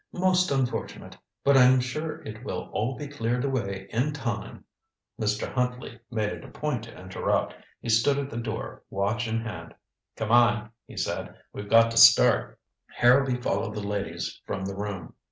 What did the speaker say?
"Most unfortunate. But I'm sure it will all be cleared away in time " Mr. Huntley made it a point to interrupt. He stood at the door, watch in hand. "Come on," he said. "We've got to start." Harrowby followed the ladies from the room.